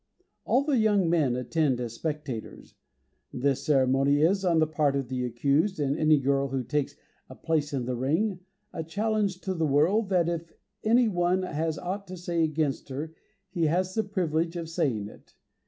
All the young men attend as spectators. This ceremony is, on the part of the accused and any girl who takes a place in the ring, a challenge to the world, that, if any one has aught to say against her, he has the privilege of saying it.